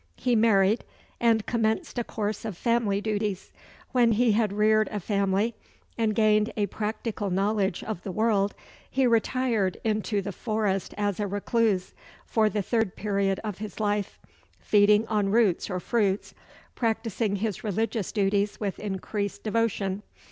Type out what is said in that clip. He married, and commenced a course of family duties. When he had reared a family, and gained a practical knowledge of the world, he retired into the forest as a recluse, for the third period of his life; feeding on roots or fruits, practising his religious duties with increased devotion.